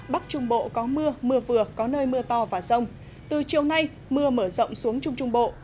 bắc trung bộ có mưa mưa vừa có nơi mưa to và rông từ chiều nay mưa mở rộng xuống trung trung bộ